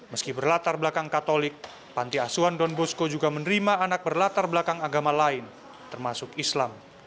meski berlatar belakang katolik panti asuhan don bosco juga menerima anak berlatar belakang agama lain termasuk islam